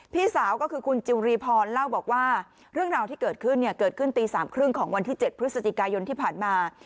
พี่สาวก็คือคุณจิวรีพรเล่าบอกว่าเรื่องราวที่เกิดขึ้นเนี่ยเกิดขึ้นเกิดขึ้นตี๓๓๐ของวันที่๗พฤศจิกายนที่ผ่านมา